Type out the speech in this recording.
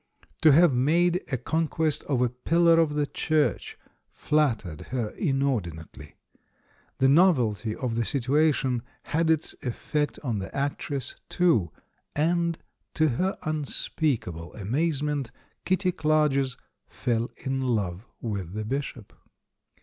To have made a con quest of a pillar of the Church flattered her inor dinately; the novelty of the situation had its ef fect on the actress, too — and, to her unspeakable amazement, Kitty Clarges fell in love with the Bishop.